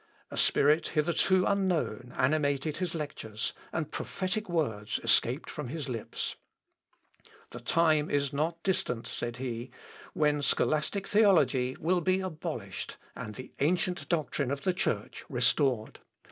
A spirit hitherto unknown animated his lectures, and prophetic words escaped from his lips: "The time is not distant," said he, "when scholastic theology will be abolished and the ancient doctrine of the Church restored."